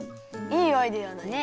いいアイデアだね。